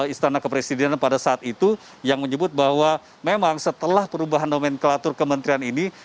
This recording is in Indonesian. istana kepresidenan pada saat itu yang menyebut bahwa memang setelah perubahan nomenklatur kementerian ini